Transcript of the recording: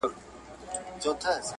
شرق مي لمن او غرب مي ځیګر دی